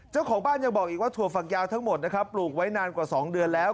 เจ้าของบ้านยังบอกอีกว่าถั่วฝักยาวทั้งหมดนะครับปลูกไว้นานกว่า๒เดือนแล้ว